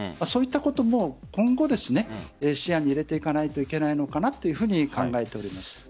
そういったことも今後視野に入れていかないといけないのかなと考えております。